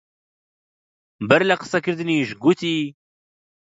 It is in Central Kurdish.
بەر لە قسە کردنیش گوتی: